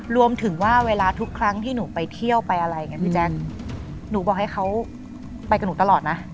รวมถึงว่าเวลาทุกครั้งที่หนูไปเที่ยวไปอะไรไงพี่แจ๊คหนูบอกให้เขาไปกับหนูตลอดนะ